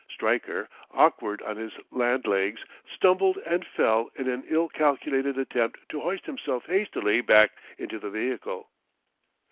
Stryker, awkward on his land legs, stumbled and fell in an ill calculated attempt to hoist himself hastily back into the vehicle.